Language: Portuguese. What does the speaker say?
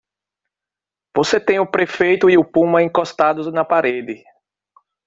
Você tem o prefeito e o Pullman encostados na parede.